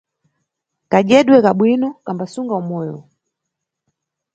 Kadyedwe ka bwino kambasunga umoyo.